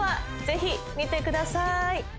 ぜひ見てください。